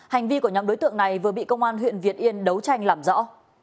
hành vi của nhóm đối tượng này vừa bị công an huyện việt yên đấu tranh làm rõ